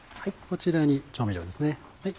こちらに調味料ですね。